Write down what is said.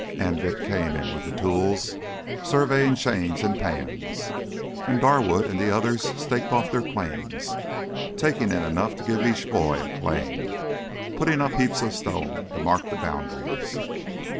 Anvik came in with the tools, surveying chains, and pans, and Darwood and the others staked off their claims, taking in enough to give each boy a claim, putting up heaps of stones to mark the boundaries.